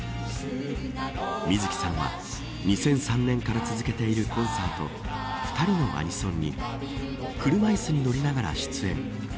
水木さんは２００３年から続けているコンサートふたりのアニソンに車いすに乗りながら出演。